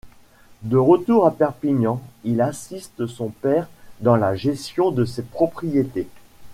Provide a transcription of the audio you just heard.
De retour à Perpignan, il assiste son père dans la gestion de ses propriétés.